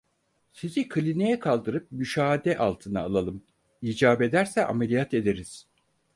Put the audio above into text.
Sizi kliniğe kaldırıp müşahede altına alalım, icap ederse ameliyat ederiz.